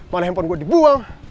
mana handphone gue dibuang